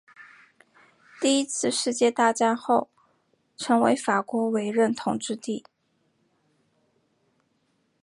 第一次世界大战后成为法国委任统治地。